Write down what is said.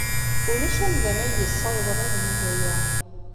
Ulac amdan ay yessawḍen ad yeg aya.